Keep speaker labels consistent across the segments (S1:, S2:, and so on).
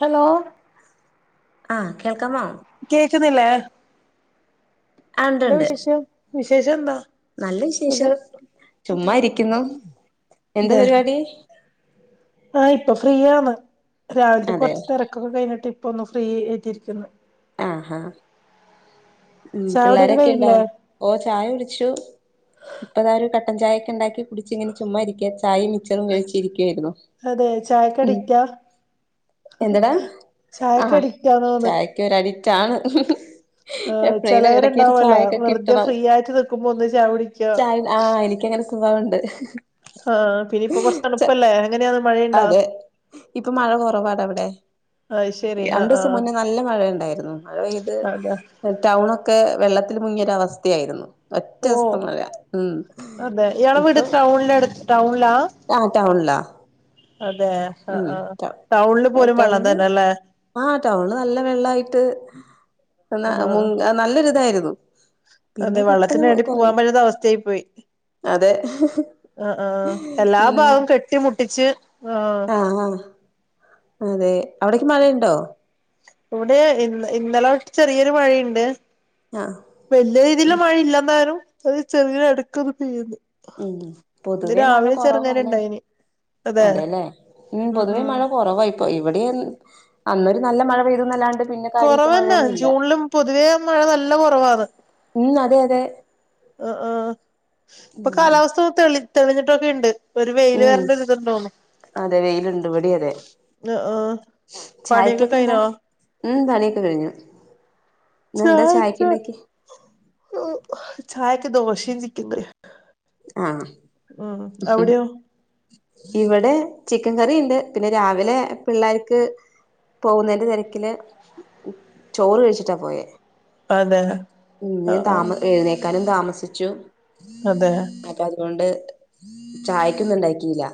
S1: Hello
S2: ആഹ് കേൾക്കാമോ
S1: കേക്കുന്നില്ലേ
S2: ആ ഉണ്ട്
S1: എന്താ
S2: ഉണ്ട്
S1: വിശേഷം വിശേഷം എന്താ
S2: നല്ല വിശേഷം
S1: സുഖം
S2: ചുമ്മാ ഇരിക്കുന്നു എന്ത്
S1: [unintelligible]
S2: പരിപാടി
S1: ആഹ് ഇപ്പൊ ഫ്രീയാണ് രാവിലത്തെ
S2: അതെ
S1: കൊറച്ച് തിരക്കൊക്കെ കഴിഞ്ഞിട്ട് ഇപ്പൊ ഒന്ന് ഫ്രീ ആയിട്ട് ഇരിക്കുന്നു
S2: ആഹ് ഹാ ഉം
S1: ചായകുടിയൊക്കെ
S2: പിള്ളേരൊക്കെ ഉണ്ടോ
S1: കഴിഞ്ഞില്ലേ
S2: ഓ ചായ കുടിച്ചു ഇപ്പൊ ഇതാ ഒരു കട്ടൻ ചായ ഒക്കെ ഉണ്ടാക്കി കുടിച്ച് ഇങ്ങനെ ചുമ്മാ ഇരിക്കുവാ ചായ കഴിച്ചിരിക്കായിരുന്നു
S1: അതെ ചായക്ക്
S2: ഉം
S1: അഡിക്റ്റാ
S2: എന്താടാ
S1: ചായക്ക്
S2: ആഹ്
S1: അഡിക്റ്റാന്ന് തോന്ന്
S2: ചായക്ക് ഒര് അടിറ്റാണ്
S1: ആഹ് ചിലവരുണ്ടാവൂല്ലോ വെറുതെ
S2: കിട്ടണം
S1: ഫ്രീ ആയിട്ട് നിക്കുമ്പോ ഒന്ന് ചായ കുടിക്കാ
S2: ചായ ആഹ് എനിക്കങ്ങനെ സ്വഭാവുണ്ട്
S1: ആഹ് പിന്നയിപ്പൊ കൊറച്ച് തണുപ്പല്ലേ എങ്ങനെയാന്ന് മഴയുണ്ടാ.
S2: അതെ ഇപ്പൊ മഴ കുറവാട ഇവിടെ
S1: അയ് ശരി
S2: രണ്ടു
S1: ആഹ്
S2: ദിവസം
S1: ആഹ്
S2: മുന്നേ നല്ല മഴയുണ്ട് മഴ പെയ്ത്
S1: അതെ
S2: ടൗണൊക്കെ വെള്ളത്തിൽ മുങ്ങിയൊര അവസ്ഥയായിരുന്നു ഒറ്റ
S1: ഓ
S2: ദിവസത്തെ മഴ ഉം
S1: അതെ ഇയാളെ വീട്
S2: ഇപ്പം
S1: ടൗണിലടു ടൗണിലാ
S2: ആഹ് ടൗണിലാ
S1: അതെ ആഹ്
S2: ഉം
S1: ആഹ് ടൗണില് പോലും വെള്ളം തന്നെല്ലേ
S2: ആഹ് ടൗണ് നല്ല വെള്ളിയിട്ട് ഉം
S1: ആഹ്
S2: നല്ലൊരിതായിരുന്നു
S1: അതെ
S2: പിന്നെ
S1: വെള്ളത്തിന്
S2: പെട്ടെന്ന്
S1: വേണ്ടി പോകാൻ
S2: കുറഞ്ഞു
S1: പറ്റാത്ത അവസ്ഥയായി പോയി
S2: അതെ
S1: ആഹ് ആഹ് എല്ലാ
S2: ഉം
S1: ഭാഗവും കെട്ടിമുട്ടിച്ച് ആഹ്
S2: ആഹ് അതെ അവിടൊക്കെ മഴയുണ്ടോ
S1: ഇവിടെ ഇ ഇന്നലെ തൊട്ട് ചെറിയൊരു മഴയുണ്ട്
S2: ആഹ്
S1: വലിയ രീതിയിൽ മഴ ഇല്ലെന്നാലും അത് ചെറയ ഇടക്ക് പെയ്യുന്നു.
S2: ഉം
S1: ഇന്ന്
S2: പൊതുവേ മഴ
S1: രാവിലെ ചെറുങ്ങനെ
S2: കൊറവാല്ലേ
S1: ഇണ്ടായിന് അതെ
S2: അതെയല്ലേ, ഉം പൊതുവേ മഴ കുറവായി ഓ ഇവിടെയും അന്നൊരു നല്ല മഴ പെയ്തന്നല്ലാണ്ട്
S1: കുറവന്നെ ജൂണിലും പൊതുവേ മഴ നല്ല കുറവാന്ന്
S2: ഉം അതെ അതെ
S1: ആഹ് ആഹ് ഇപ്പൊ കാലാവസ്ഥ ഒന്ന് തെളി തെളിഞ്ഞിട്ടൊക്കെ ഉണ്ട് ഒരു വെയില്
S2: ഉം
S1: വരേണ്ടരിതു തോന്നുന്നു
S2: അതെ വെയിലുണ്ട്, ഇവിടെയും അതെ
S1: ആഹ് പണിയൊക്കെ
S2: ചായക്കൊക്കെ എന്താ
S1: കഴിഞ്ഞോ
S2: ഉം, പണിയൊക്കെ കഴിഞ്ഞു ഇന്നെന്താ
S1: ചായ വെച്ചു
S2: ചായക്കുണ്ടാക്കി
S1: ചായക്ക് ദോശയും, ചിക്കൻ കറിയും
S2: ആഹ്
S1: ഉം അവിടെയോ
S2: ഇവിടെ ചിക്കൻ കറി ഉണ്ട് പിന്നെ രാവിലെ പിള്ളേർക്ക് പോകുന്നതിന്റെ തിരക്കില് ചോറ് കഴിച്ചിട്ടാ പോയേ
S1: അതെ
S2: ഇന്ന് ഞാൻ
S1: ആഹ് ആഹ്
S2: താമ എഴുന്നേക്കാനും താമസിച്ചു
S1: അതെ
S2: അപ്പൊ അതുകൊണ്ട് ചായക്കൊന്നും ഇണ്ടാക്കില്ല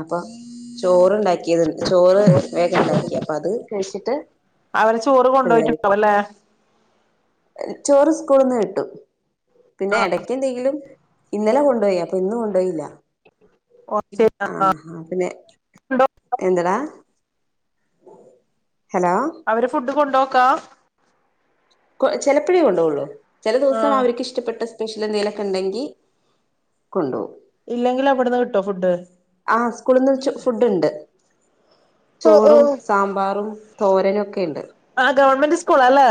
S2: അപ്പൊ ചോറണ്ടാക്കിയത് ചോറ് വേഗം ഉണ്ടാക്കി അപ്പൊ അത് കഴിച്ചിട്ട്
S1: അവര് ചോറ്
S2: പിള്ളേര്
S1: കൊണ്ടുപോയിട്ടുണ്ടാവും
S2: പോയി
S1: അല്ലെ
S2: ചോറ് സ്കൂളിന്ന് കിട്ടും പിന്നെ ഇടക്ക്, എന്തെങ്കിലും ഇന്നലെ കൊണ്ടുപോയി അപ്പൊ ഇന്നും കൊണ്ടുപോയില്ല
S1: കൊറച്ച്
S2: ആഹ് ആഹ് പിന്നെ എന്തടാ ഹലോ
S1: അവര് ഫുഡ് കൊണ്ടോക്കാ
S2: ചെലപ്പഴേ കൊണ്ടോവൊള്ളു ചെല ദിവസം
S1: ആഹ്
S2: അവര്ക്ക്ഷ്ടപ്പെട്ട സ് സ്പെഷ്യല് എന്തേലൊക്കെണ്ടെങ്കി കൊണ്ടോവും
S1: ഇല്ലെങ്കിലവ്ട്ന്ന് കിട്ടോ ഫുഡ്
S2: ആ സ്കൂള്ന്ന് ചോ ഫുഡ്ണ്ട് ചോറും സാമ്പാറും തോരനൊക്കെണ്ട്
S1: ആ ഗവണ്മെന്റ് സ്കൂളാല്ലേ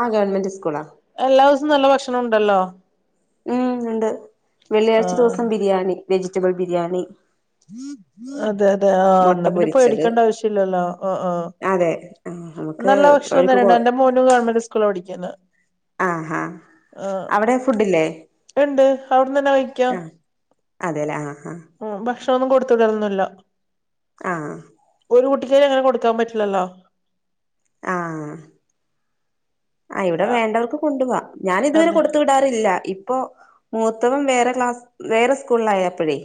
S2: ആ ഗവൺമെന്റ് സ്കൂളാ
S1: എല്ലാസം നല്ല ഭക്ഷണം ണ്ടല്ലോ
S2: ഉം ഉണ്ട് വെള്ളിയാഴ്ച
S1: ആഹ്
S2: ദിവസം ബിരിയാണി വെജിറ്റബിൾ ബിരിയാണി
S1: അതെ അതെ ആ
S2: മുട്ട
S1: ന്നാ പിന്നെ
S2: പൊരിച്ചത്
S1: പേടിക്കണ്ട ആവശ്യല്ലല്ലോ ആഹ് ആഹ്
S2: അതെ ആ നമുക്ക്
S1: നല്ല
S2: അവർക്ക് കൊ
S1: ഭക്ഷണതെന്നെണ്ട് എന്റെ മോനും ഗവൺമെന്റ് സ്കൂള്ലാ പഠിക്കുന്നെ
S2: ആ ആ
S1: ആ
S2: അവിടെ ഫുഡില്ലേ
S1: ണ്ട് അവ്ട്ന്നെന്നെ കഴിക്കാ
S2: ആ അതെല്ലേ ആഹ് ആഹ്
S1: ഉം ഭക്ഷണൊന്നും കൊട്ത്ത് വിടലൊന്നുല്ല
S2: ആ
S1: ഒരു കുട്ടിക്കേ അങ്ങനെ കൊടുക്കാൻ പറ്റില്ലല്ലോ
S2: ആ ആ ഇവടെ വേണ്ടവർക്ക് കൊണ്ടു പോവാ ഞാൻ ഇതുവരെ
S1: അതെ
S2: കൊട്ത്ത് വി ടാറില്ല ഇപ്പ മൂത്തവൻ വേറെ ക്ലാസ് വേറെ സ്കൂളിലായപ്പഴേ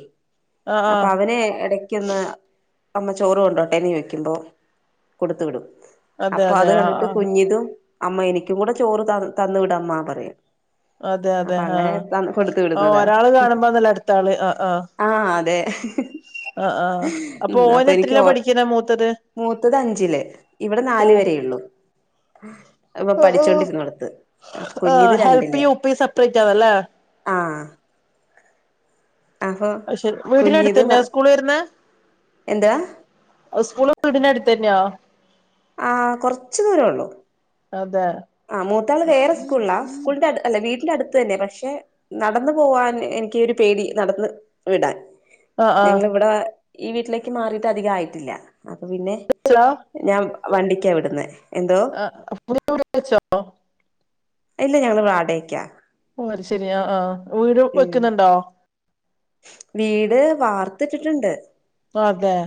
S1: ആഹ്
S2: അപ്പ
S1: ആഹ്
S2: അവനെ എടക് ക്ക്ന്ന് അമ്മ ചോറ് കൊണ്ടോട്ടെന്ന് ചോയ്ക്കുമ്പോ കൊടുത്തുവിടും
S1: അതെ
S2: അപ്പൊ
S1: അതെ
S2: അത്
S1: ആഹ്
S2: കണ്ടിട്ട്
S1: ആഹ്
S2: കുഞ്ഞിതും അമ്മ എനിക്കും കൂടെ ചോറ് തന്ന് തന്ന് വിടമ്മ പറയും
S1: അതെ അതെ
S2: അപ്പൊ അങ്ങനെ കൊടുത്തു
S1: ആഹ്
S2: വിടുന്നതാ
S1: ഒരാള് കാണുമ്പോന്നല്ല അടുത്താള് ആഹ് ആഹ്
S2: ആ അതെ
S1: ആ ആ
S2: ഉം അപ്പൊ
S1: അപ്പോന്
S2: എനിക്ക്
S1: എത്രേല
S2: ഓ
S1: പഠിക്ക്ന്നെ മൂത്തത്
S2: മൂത്തത് അഞ്ചില് ഇവിടെ
S1: ഓ
S2: നാല്വരെ ഉള്ളൂ ഇപ്പൊ
S1: ആഹ്
S2: പഠിച്ചോണ്ടിരുന്നോട്ത്ത് കുഞ്ഞിത് രണ്ട്ല്
S1: പ്പി ഉപ്പി സപ്രേറ്റാണല്ലെ
S2: ആ
S1: അത് ശെരി വീട്നട്ത്തെന്ന സ്കൂള് വെര്ന്നെ
S2: എന്താ
S1: സ്കൂള് വീടിനട്ത്തെന്നാ
S2: ആ കൊർച്ച് ദൂരൊള്ളു
S1: അതെ
S2: ആ മൂത്താള് വേറെ സ്കൂള്ല സ്കൂളിന്റെ അട് അല്ല വീട്ടിന്റട്ത്തെന്നെ പക്ഷെ നടന്നു പോവാൻ എനിക്ക് ഒരു പേടി നടന്ന് വിടാൻ
S1: ആഹ്
S2: ഞങ്ങള് ഇവടെ ഈ വീട്ടിലേക്ക് മാറിട്ട് അധികായിട്ടില്ല അപ്പൊ പിന്നെ
S1: ഹലോ
S2: ഞാൻ വണ്ടിക്കാ വിടുന്നെ എന്തോ
S1: [unintelligible] ച്ചോ
S2: ഇല്ല ഞങ്ങള് വാടകയ്ക്ക
S1: ഓഹ് അത് ശെരി ആ ആ വീട്
S2: ഉം
S1: വെക്ക്ന്ന്ണ്ടോ
S2: വീട് വാർത്തിട്ടിട്ട്ണ്ട്
S1: അതെ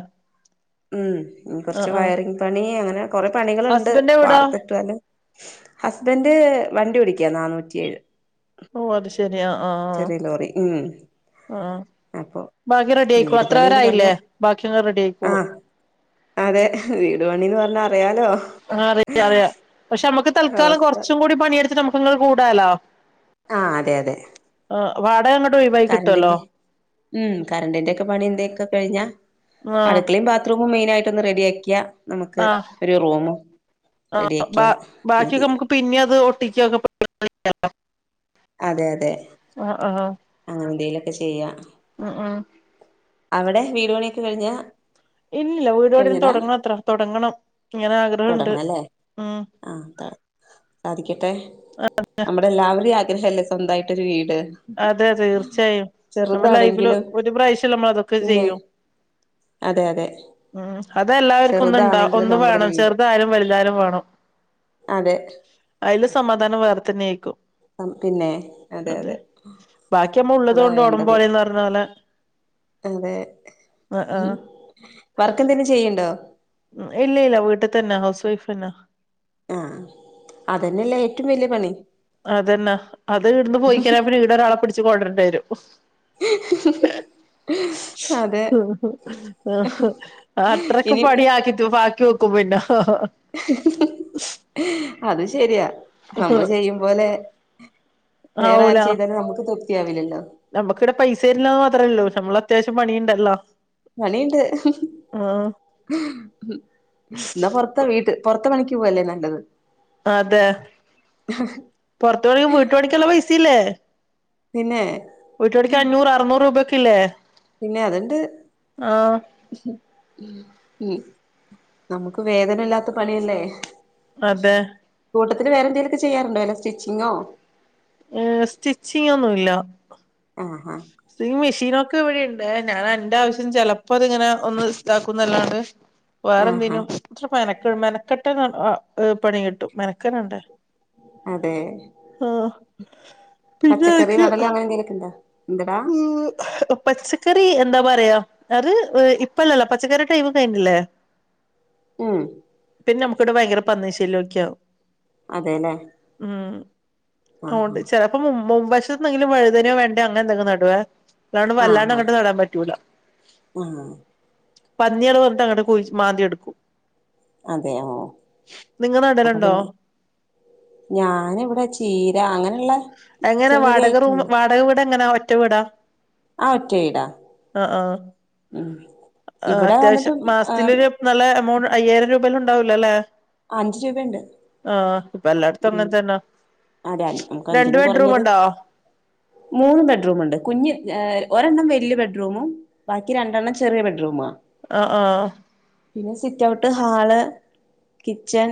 S2: ഉം
S1: ആ
S2: കുറച്ച്
S1: ആ
S2: വയറിങ്ങ് പണി അങ്ങനെ കൊറെ പണികളുണ്ട്.
S1: ഹസ്ബൻഡ് എവിടാ
S2: വാർത്തിട്ടാലും ഹസ്ബൻഡ് വണ്ടി ഓടിക്യാ നാനൂറ്റിയേഴ്.
S1: ഓഹ് അത് ശെരി ആഹ് ആഹ്
S2: ചെറിയ ലോറി ഉം
S1: ആഹ്
S2: അപ്പൊ
S1: ബാക്കി റെഡിയായിക്കോളും.
S2: വീട്
S1: അത്ര
S2: പണിന്ന് പറഞ്ഞ
S1: പേരായില്ലേ ബാക്കിയങ്ങ് റെഡിയായിക്കോളും
S2: ആഹ് അതെ വീടുപണിന്ന് പറഞ്ഞ അറിയാലോ
S1: ആ അറിയാം അറിയാം പക്ഷെ നമുക്ക് തൽക്കാലം
S2: അവസ്ഥ.
S1: കുറച്ചും കൂടി പണിയെടുത്തിട്ട് നമുക്കങ്ങള് കൂടാലോ
S2: ആഹ് അതെഅതെ
S1: വാടകങ്ങോട്ട് ഒഴിവയി കിട്ടുവല്ലോ.
S2: ഉം കരണ്ടിന്റെക്കെ പണി എന്തൊക്കെ കഴിഞ്ഞ
S1: ആ
S2: അടുക്കളിം ബാ - ത്റൂമ് മെയിനായിട്ടോന്ന് റെഡിയാക്കിയ. നമക്ക്
S1: ആ
S2: ഒരു റൂമും
S1: ആ
S2: റെഡി ആക്കിയ
S1: ബാ
S2: മന്തി.
S1: ബാക്കിയൊക്കെ നമുക്ക് പിന്നെ അത് ഒട്ടിചക്കെ-
S2: അതെഅതെ
S1: ആഹ് ആഹ്
S2: ആഹ് എന്തേലുംക്കെ ചെയ്യ-
S1: ആഹ് ആഹ്
S2: അവിടെ വീട്പണിയൊക്കെ കഴിഞ്ഞ
S1: ഇൽല്ല വീടോണി
S2: കഴിഞ്ഞതാ
S1: തുടങ്ങണം അത്ര തുടങ്ങണം ഇങ്ങനെ അക-
S2: തുടങ്ങണല്ലേ ആ താ സാധിക്കട്ടെ.
S1: ആഹ്
S2: നമ്മുടെ എല്ലാവരെയും ആഗ്രഹല്ലേ സ്വന്തയിട്ടോരു വീട്.
S1: അതെതെ തീർച്ചയായും നമ്മള ലൈഫില്
S2: ചെറുതാണെങ്കിലും
S1: ഒരു പ്രാവശ്യല്ലെ നമ്മളാതൊക്കെ ചെയ്യു.
S2: അതെഅതെ
S1: ഉം അതെല്ലാവർക്കും ഒന്നിഇണ്ടാ ഒന്ന്
S2: നമ്മുടെ ഒരു
S1: വേണം
S2: വീട്
S1: ചെറുതായാലും വൽതായാലും വേണം.
S2: അതെ
S1: അയില് സമാധാനം വേറെ തന്നെ ആയിക്കും.
S2: ആം പിന്നെ അതെഅതെ
S1: ബാക്കിമ്മള് ഉള്ളത്കൊണ്ട് ഓണം പോലെന്ന് പർണ്ണപോലെ.
S2: അതെ ഉം വർക്ക് എന്തേലും ചെയ്യ്ണ്ടോ?
S1: ഉം ഇല്ലില്ലാ വീട്ട് തന്നെ ഹൗസ് വൈഫാനൊ
S2: ആഹ് അതന്നെല്ലെ ഏറ്റുംവലിയ പണി.
S1: അത് നെ അത് ഇടുന്ന് പോയിക്കായിനാ പിന്നെ ഇടോരാളെ പിടിച്ച്കൊണ്ടിരണ്ടെരും.
S2: [inaudible] അതെ
S1: ഉം ഉം ആഹ് അത്രക്കെ
S2: ഇനി
S1: പണിയാക്കിട്ട് ബാക്കി- വെക്കും പിന്നെ ഹഹ
S2: അത് ശരിയാ നമ്മള് ചെയ്യും പോലെ. വേറെ ആര് ചെയ്താലും നമക്ക് തൃപ്തിയാവില്ലല്ലോ.
S1: നമക്കിവിടെ പൈസരില്ലന്ന് മാത്രല്ലോളു പക്ഷേ നമ്മള് അത്യാശം പണിണ്ടല്ലോ?
S2: പണിണ്ട് എന്നാ പോർ- വീട്ട് പോർത്ത പണിക്ക് പോവല്ലേ നല്ലത്.
S1: അതെ പൊറത്തണി വീട്ട്പണിക്ക് നല്ല പൈസയില്ലേ
S2: പിന്നെ
S1: വീട്ട്ണിക്ക് അഞ്ഞൂറ് അറുന്നൂറ് രൂപയ്ക്കില്ലേ?
S2: പിന്നെ അത്ണ്ട്. ഉം നമക്ക് വേദന ഇല്ലാത്ത പണിയല്ലേ.
S1: അതെ
S2: കൂട്ടത്തില് വേറെന്തേലൊക്കെ ചെയ്യാറുണ്ടോ? വല്ല സ്റ്റിച്ചിങ്ങോ
S1: ഏഹ് സ്റ്റിച്ചിങ്ങ് ഒന്നുല്ല
S2: ആഹ
S1: സീൻ മിഷീനൊക്കെ ഇവിടെയിണ്ട്. നാൻ എന്റെ ആവിശ്യത്ന്ചെലപ്പത് ങ്ങനെ ഒന്ന് ഇതാക്കുംന്നല്ലാണ്ട് വേറെ
S2: ആഹാ
S1: എന്തേനും അത്ര മെനക്കടും മെനക്കെട്ട പണി കിട്ടും മെനക്കടെണ്ടെ
S2: അതെ.
S1: പിന്നെ
S2: പച്ചക്കറി
S1: എനക്ക്
S2: നടലോ അങ്ങനെ എന്തെലൊക്കെണ്ടോ? എന്ത്ടാ?
S1: പച്ചക്കറി എന്താ പറയാ അര് ഇപ്പല്ലല്ലോ പച്ചക്കറി ടൈമ് കൈഞ്ല്ലേ.
S2: ഉം.
S1: പിന്നെ നമുക്കിവിടെ ഭയങ്കര പന്നി ശല്യൊക്കെ ആവും.
S2: അതെല്ലേ
S1: ഉം. ഊണ്ട്
S2: ആഹാ
S1: ചെലപ്പം മും മുമ്പശെത്നെങ്കിലും വഴുതന്യോ വെ ണ്ടെ അങ്ങെൻ എന്തെങ്കിം നടുവെ. അല്ലാണ്ട് വല്ലാണ്ടങ്ങട്ട് നടാൻ പറ്റൂല.
S2: ഉം.
S1: പന്നിയേള് വന്നിട്ട് അങ്ങട്ട് കുഴിച് മാന്തിെയെടുക്കും.
S2: അതെയോ
S1: നിങ്ങ
S2: അപ്പ
S1: നടലുണ്ടോ
S2: പിന്നെ ഞാന് വടെ ചീര അങ്ങനെള്ള
S1: എങ്ങനെ വാടക റൂം വാടക വീട് എങ്ങനാ ഒറ്റ വീടാ?
S2: ആ ഒറ്റ വീടാ
S1: ആഹ് ആഹ്.
S2: ഉം ഇവിടെ വന്നിട്ട്
S1: അത്യാവശ്യം
S2: ആ
S1: മാസത്തിലൊര് നല്ല എമൗണ്ട് അയ്യായിരം രൂപെല്ലും ഉണ്ടാവൂലോ ല്ലേ.
S2: ആഹ് അഞ്ച് രൂപയ്ണ്ട്.
S1: ആഹ്. ഇപ്പെല്ലാട്ത്തും അങ്ങെൻ തന്നാ.
S2: അതെ നമുക്ക് അഞ്ചിനും കൊർഞ്ഞത് മൂന്ന് ബെഡ്റൂമുണ്ട് കുഞ്ഞ് ഏഹ് ഒരെണ്ണം വല്യ ബെഡ്റൂമും ബാക്കി രണ്ടെണ്ണം ചെറിയ ബെഡ്റൂമാ.
S1: ആഹ് ആഹ്.
S2: പിന്നെ സിറ്റ്ഔട്ട്, ഹാള്, കിച്ചൺ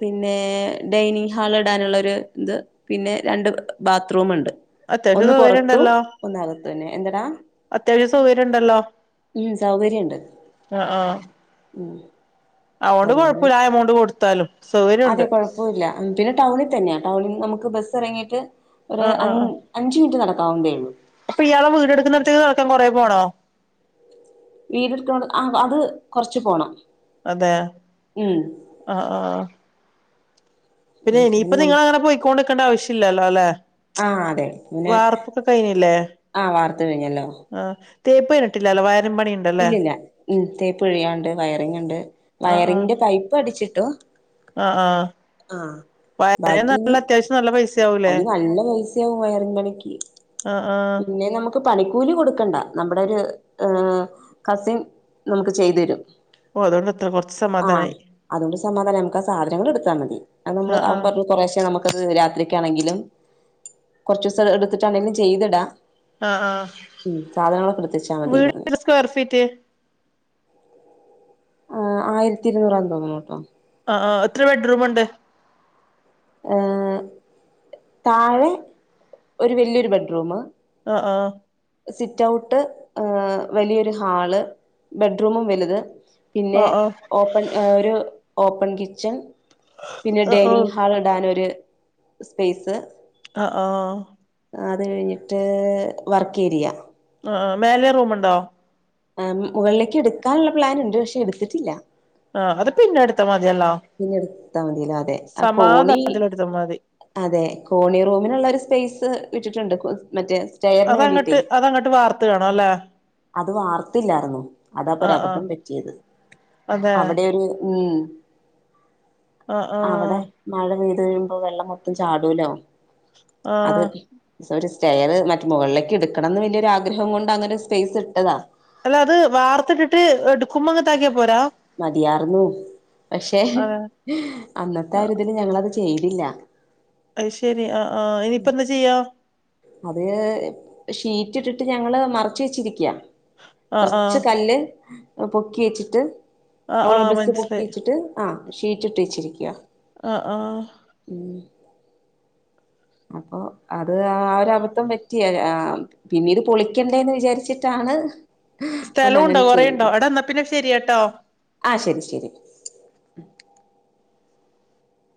S2: പിന്നെ ഡൈനിങ് ഹാൾ ഇടാനുള്ളരു ത് പിന്നെ രണ്ട് ബാത്ത്റൂമ് ണ്ട്.
S1: അത്യാവശ്യം
S2: ഒന്ന്
S1: സൗകര്യം
S2: പുറത്തും
S1: ഉണ്ടല്ലോ
S2: ഒന്ന് അകത്തുന്നെ. എന്തടാ?
S1: അത്യാവശ്യം സൗകര്യം ഉണ്ടല്ലോ
S2: ഉം. സൗകര്യണ്ട്. ഉം
S1: അതോണ്ട് കുഴപ്പുല്ല ആ എമൗണ്ട് കൊടുത്താലും.
S2: അതെ
S1: സൗകര്യമുണ്ട്
S2: കുഴപ്പവില്ല. ഉം. പിന്നെ ടൗണിൽ തന്നെയാ ടൗണിൽ നമുക്ക് ബസ് എറങ്ങിയിട്ട് ഒരു
S1: ആഹ്
S2: അഞ് അഞ്ച് മിനിറ്റ് നടക്കാവുന്ന്തേ ഉള്ളൂ.
S1: അപ്പ ഇയാളെ വീടെടുക്കിന്നടത്തേക്ക് നടക്കാൻ കൊറെ പോണോ?
S2: വീട് ട്ക്ക്ണോട്, ആഹ് അത് കൊർച്ച് പോണം.
S1: അതെ.
S2: ഉം
S1: ആഹ് ആഹ്. പിന്നെ ഇനിയിപ്പ നിങ്ങളങ്ങനെ പൊയ്ക്കോണ്ട്ക്കണ്ട ആവശ്യല്ലല്ലോ ല്ലെ.
S2: ആഹ് അതെ. പിന്നെ ആഹ് വാർത്ത് കഴിഞ്ഞല്ലോ.
S1: ആഹ് തേപ്പ് കഴിഞ്ഞിട്ടില്ലല്ലോ വയറിംഗ് പണി ഉണ്ടല്ലേ
S2: ഇല്ലില്ല ഉം. തേപ്പ് കഴിയാണ്ട് വയറിങ്ങ് ണ്ട്
S1: ആ ആ
S2: വയറിങ്ങിന്റെ പൈപ്പ് അടിച്ചിട്ടു.
S1: ആ ആ
S2: ആഹ്
S1: വയറിന്
S2: ബാക്കി ഇനി,
S1: നല്ല അത്യാവശ്യം നല്ല പൈസയാവൂലേ
S2: അത് നല്ല പൈസ് സ്യാവും വയറിംഗ് പണിക്ക്.
S1: ആ ആ
S2: പിന്നെ നമ ക്ക് പണിക്കൂലി കൊടുക്കണ്ട നമ്മുടെ ഒരു ഏഹ് കസിൻ നമുക്ക് ചെയ്തെരും.
S1: ഓലോട്ന്നെ [unintelligible]
S2: ആഹ്! അതുകൊണ്ട് സമാധാനം! നമുക്ക് ആ സാധനങ്ങൾ എടുത്താ മതി അഹ് നമ്മള്
S1: ആ ആ
S2: അവൻ പറഞ്ഞു കുറേശ നമുക്ക് ഇത് രാത്രിക്കാണെങ്കിലും കൊർച്ചോസം എടുത്തിട്ടാണെങ്കിലും ചെയ്തിടാ
S1: ആ ആ
S2: ഉം. സാധനങ്ങളൊക്കെ എട്ത്തച്ചാ മതിപറഞ്
S1: സ്ക്വയർഫീറ്റ്
S2: ആഹ്! ആയിരത്തി ഇരുന്നൂറ് തോന്നണുട്ടോ
S1: ആഹ് ആഹ് എത്ര ബെഡ്റൂമുണ്ട്?
S2: ഏഹ് താഴെ ഒരു വല്ല്യോരു ബെഡ്റൂമ്
S1: അഹ് ആഹ്!
S2: സിറ്റ്ഔട്ട്, ആഹ് വല്ല്യോരു ഹാള്, ബെഡ്റൂമും വലുത്
S1: ആ
S2: പിന്നെ
S1: ആ
S2: ഓപ്പൺ ഒരു ഓപ്പൺ കിച്ചൺ പിന്നെ
S1: ആ ഓ
S2: ഡെനിങ് ഹാള് ഇടാനൊര് സ്പേസ്
S1: അഹ് ആഹ്
S2: അത് കഴിഞ്ഞിട്ട് വർക്കേരിയ
S1: അഹ് ആഹ് മേലെ റൂമോണ്ടോ
S2: ആഹ് ഉം മുകളിലെക്ക് എടുക്കാൻള്ള പ്ലാന്ണ്ട് പക്ഷെ എടുത്തിട്ടില്ല
S1: ആഹ് അത് പിന്നെ എടുത്ത മതിയല്ലോ
S2: പിന്നെടുത്ത മതിയല്ലോ അതെ ആഹ് കോണി
S1: സമാധാനത്തിലെടുത്താ മതി
S2: അതെ കോണി റൂമിനൊള്ളൊര് സ്പേസ് വിട്ടിട്ടുണ്ട് കു മറ്റേ സ്റ്റെയറിന് വേണ്ടിട്ടേ
S1: അതങ്ങട്ട് അതങ്ങട്ട് വാർത്ത് കാണു അല്ലെ
S2: അത് വാർത്തില്ലാരുന്നു അതാപ്പോ
S1: ആഹ് ആഹ്
S2: ഒരബദ്ധം പറ്റിയത്
S1: അതെ
S2: അവിടെ ഒര് ഉം
S1: ആഹ്
S2: അവടെ
S1: ആഹ്
S2: മഴ പെയ്ത് വെര്മ്പോ വെള്ളം മൊത്തം ചാടൂലോ അത്
S1: ആഹ്
S2: സോ ഒര് സ്റ്റെയറ് മറ്റ് മുകളിലേക്ക് എടുക്കണംന്ന് വലിയൊര് ആഗ്രഹം കൊണ്ടങ്ങനെ ഒരു സ്പേസ് ഇട്ടതാ
S1: അല്ല അത് വാർത്തത്ത്ട്ട് ട്ട് എടുക്കുമ്പ അങ്ങത്ത ആക്കിയാ പോരെ
S2: മതിയാർന്നു പക്ഷെ
S1: അതെ
S2: അന്നത്ത ആ ഒര് ഇത് ല് ഞങ്ങളത് ചെയ്തില്ല
S1: അയ്ശെരി ആഹ് ആഹ് ഇനിയിപ്പ എന്താ ചെയ്യ
S2: അത് ഷീറ്റ് ഇട്ടിട്ട് ഞങ്ങള് മറച്ച് വെച്ചിരിക്ക്യാ
S1: ആഹ്
S2: കൊറച്ച്
S1: ആഹ്
S2: കല്ല് ഒ പൊക്കി വെച്ചിട്ട്
S1: ആഹ്
S2: ഹോളോ
S1: ആഹ്
S2: ബിക്സ്
S1: മനസ്സിലായി
S2: പൊക്കിച്ചിട്ട് ആഹ് ഷീറ്റിട്ട് വെച്ചിരിക്കാണ്
S1: അഹ് ആഹ്
S2: ഉം അപ്പൊ അത് ആഹ് ഒര് അബദ്ധം പറ്റിയ ആ പിന്നീട് പൊളിക്കണ്ടേന്ന് വിചാരിച്ചിട്ടാണ് അന്ന്
S1: സ്ഥലം ഉണ്ടോ
S2: അങ്ങനെ
S1: കൊറേണ്ടോ എടാ എന്നാ പിന്നെ ശെരരിയട്ടോ
S2: ആഹ് ശരി ശരി